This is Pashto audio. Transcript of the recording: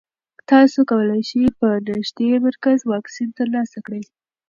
تاسو کولی شئ په نږدې مرکز واکسین ترلاسه کړئ.